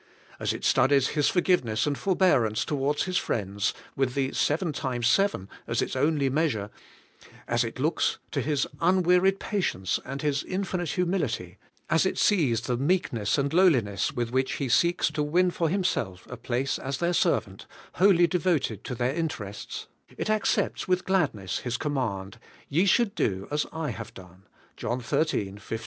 As it studies His forgiveness and forbearance towards His friends, with the seven times seven as its only measure, — as it looks to His unwearied patience and His infinite hu mility, — as it sees the meekness and lowliness with which He seeks to win for Himself a place as their servant, wholly devoted to their interests,— it accepts with gladness His command, ^Ye should do as I have done' {John xlii, 15).